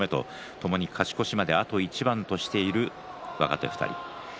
ともに勝ち越しまであと一番としている若手２人。